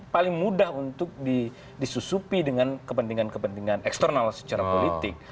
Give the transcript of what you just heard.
paling mudah untuk disusupi dengan kepentingan kepentingan eksternal secara politik